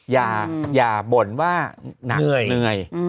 อย่าบ่นว่าเหนื่อย